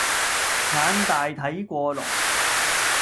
眼大睇過龍